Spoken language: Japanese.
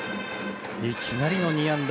いきなりの２安打。